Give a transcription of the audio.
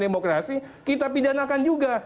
demokrasi kita pidanakan juga